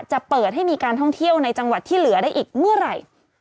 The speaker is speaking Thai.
จะเปิดให้มีการท่องเที่ยวในจังหวัดที่เหลือได้อีกเมื่อไหร่